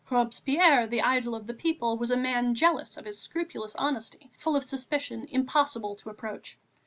Robespierre, the idol of the people, was a man jealous of his scrupulous honesty, full of suspicion, impossible to approach.